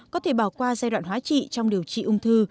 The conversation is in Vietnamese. có thể bỏ qua giai đoạn hóa trị trong điều trị ung thư